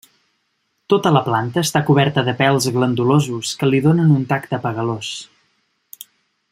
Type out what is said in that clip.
Tota la planta està coberta de pèls glandulosos que li donen un tacte apegalós.